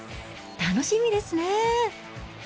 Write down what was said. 楽しみですね。